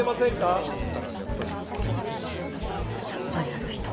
やっぱりあの人。